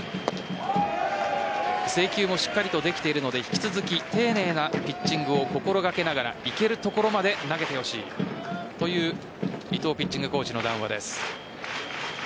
制球もしっかりとできているので引き続き丁寧なピッチングを心掛けながらいけるところまで投げてほしい。という伊藤ピッチングコーチの談話です。